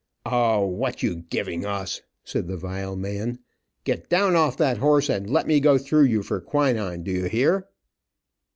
"O, what you giving us," said the vile man. "Get down off that horse and let me go through you for quinine. Do you hear?"